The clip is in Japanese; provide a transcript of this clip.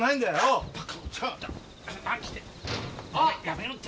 やめろって！